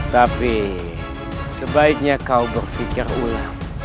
tapi sebaiknya kau berpikir ulang